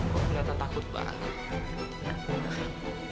kok ternyata takut banget